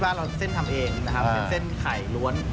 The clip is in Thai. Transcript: อ่อตัวเล็กอ่อตัวเล็กเหรอ